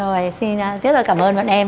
rồi xin rất là cảm ơn bạn em